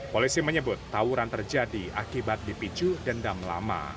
polisi menyebut tawuran terjadi akibat dipicu dendam lama